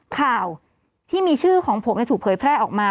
ข่าวที่มีชื่อของผมถูกเผยแพร่ออกมา